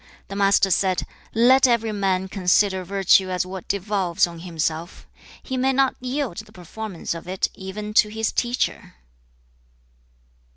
The Master said, 'Let every man consider virtue as what devolves on himself. He may not yield the performance of it even to his teacher.'